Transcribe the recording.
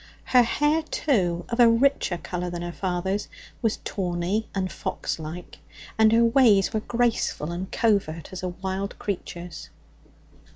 Her hair, too, of a richer colour than her father's, was tawny and foxlike, and her ways were graceful and covert as a wild creature's.